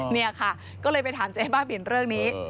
นี่ค่ะก็เลยไปถามเจ๊บ้าบินเรื่องนี้